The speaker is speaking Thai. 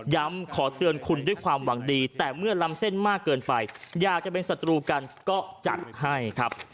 ขอเตือนคุณด้วยความหวังดีแต่เมื่อล้ำเส้นมากเกินไปอยากจะเป็นศัตรูกันก็จัดให้ครับ